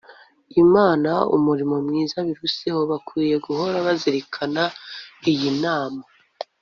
imana umurimo mwiza biruseho, bakwiriye guhora bazirikana iyi nama